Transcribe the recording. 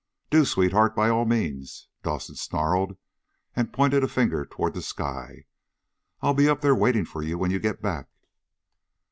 "Do, sweetheart, by all means!" Dawson snarled, and pointed a finger toward the sky. "I'll be up there waiting for you when you get back!"